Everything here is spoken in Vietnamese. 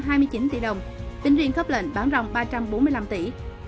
tính riêng khớp lệnh bán rồng ba trăm bốn mươi năm tỷ